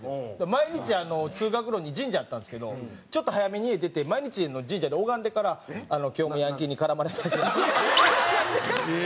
毎日通学路に神社あったんですけどちょっと早めに家出て毎日神社で拝んでから「今日もヤンキーに絡まれませんように」ってやってから。